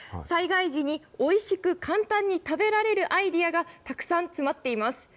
災害時においしく簡単に食べられるアイデアがたくさん詰まっています。